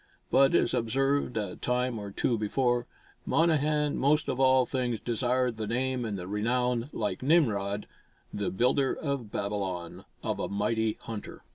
But, as observed a time or two before, Monnehan most of all things desired the name and the renown, like Nimrod, the builder of Babylon, of a "mighty hunter."